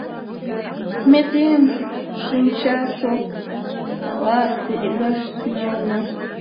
— Ме тыйым шинчасортала перегаш тӱҥалына!